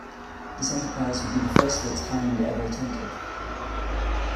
This enterprise will be the first of its kind ever attempted.